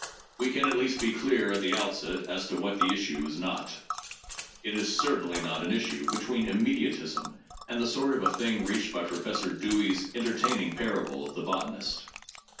We can at least be clear at the outset as to what the issue is not. It is certainly not an issue between im mediatism and the sort of a thing reached by Professor Dewey's entertaining parable of the botanist.